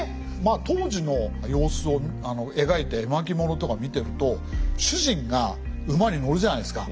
当時の様子を描いて絵巻物とか見てると主人が馬に乗るじゃないですか。